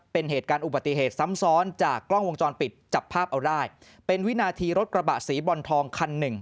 เป็นเหตุการณ์อุบัติเหตุซ้ำซ้อนจากกล้องวงจรปิดจับภาพเอาได้เป็นวินาทีรถกระบะสีบอลทองคันหนึ่ง